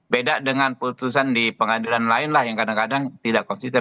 beda dengan putusan di pengadilan lain lah yang kadang kadang tidak konsisten